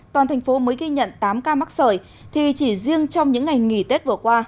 toàn thành phố mới ghi nhận tám ca mắc sởi thì chỉ riêng trong những ngày nghỉ tết vừa qua